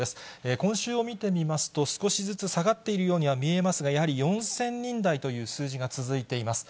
今週を見てみますと、少しずつ下がっているようには見えますが、やはり４０００人台という数字が続いています。